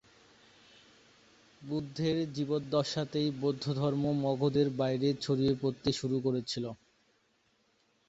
বুদ্ধের জীবদ্দশাতেই বৌদ্ধধর্ম মগধের বাইরে ছড়িয়ে পড়তে শুরু করেছিল।